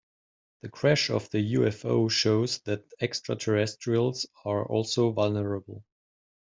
The crash of the UFO shows that extraterrestrials are also vulnerable.